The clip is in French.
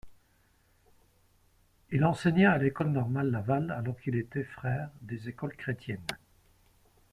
Il enseigna à l'École normale Laval alors qu'il était Frère des Écoles Chrétiennes.